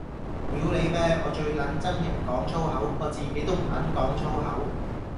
屌你咩，我最撚憎人講粗口，我自己都唔撚講粗口